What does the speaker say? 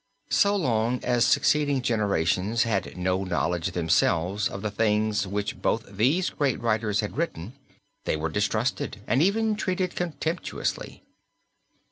So long as succeeding generations had no knowledge themselves of the things of which both these great writers had written, they were distrusted and even treated contemptuously.